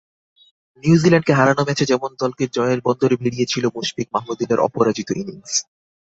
নিউজিল্যান্ডকে হারানো ম্যাচে যেমন দলকে জয়ের বন্দরে ভিড়িয়েছিল মুশফিক মাহমুদউল্লাহর অপরাজিত ইনিংস।